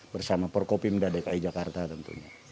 bersama perkopim dan dki jakarta tentunya